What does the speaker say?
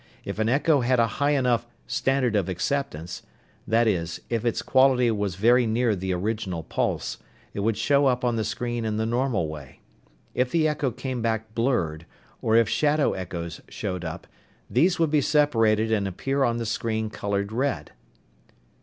If an echo had a high enough "standard of acceptance" that is, if its quality was very near the original pulse, it would show up on the screen in the normal way. If the echo came back blurred, or if "shadow echoes" showed up, these would be separated and appear on the screen colored red.